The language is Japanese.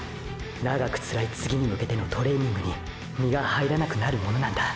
長くつらい次に向けてのトレーニングに身が入らなくなるものなんだ。